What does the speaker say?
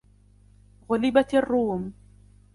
غلبت الروم